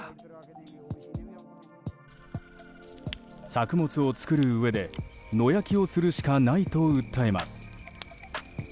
作物を作るうえで野焼きをするしかないと訴えます。